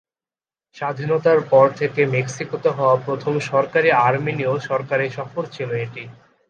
স্বাধীনতার পর থেকে মেক্সিকোতে হওয়া প্রথম সরকারি আর্মেনিয় সরকারি সফর ছিল এটি।